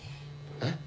えっ？